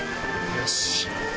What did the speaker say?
よし！